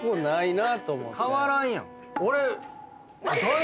俺。